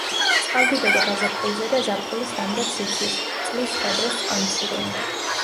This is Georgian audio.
წყალდიდობა გაზაფხულზე და ზაფხულის დამდეგს იცის, წლის სხვა დროს წყალმცირეა.